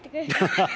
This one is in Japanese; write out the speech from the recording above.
ハハハハ。